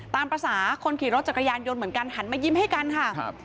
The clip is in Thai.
ตามภาษาคนขี่รถจักรยานยนต์เหมือนกันหันมายิ้มให้กันค่ะครับ